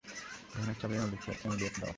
ভ্যানের চাবি অ্যামেলিয়াকে দাও।